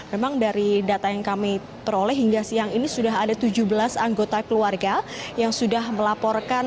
memang dari data yang kami peroleh hingga siang ini sudah ada tujuh belas anggota keluarga yang sudah melaporkan